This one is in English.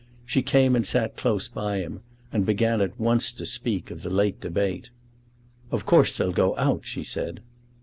She came and sat close by him, and began at once to speak of the late debate. "Of course they'll go out," she said.